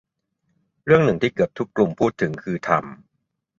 เรื่องนึงที่เกือบทุกกลุ่มพูดคือทำ